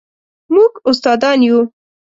موږ استادان یو